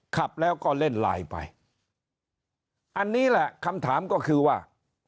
ขับแล้วก็เล่นไลน์ไปอันนี้แหละคำถามก็คือว่า